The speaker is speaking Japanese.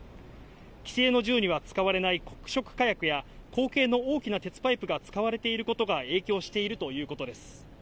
既成の銃には使われない黒色火薬や口径の大きな鉄パイプが使われていることが影響しているということです。